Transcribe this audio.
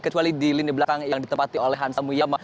kecuali di lini belakang yang ditempati oleh hansa muyama